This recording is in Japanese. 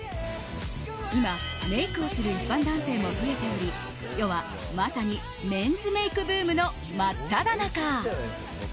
今、メイクをする一般男性も増えており世はまさにメンズメイクブームの真っただ中。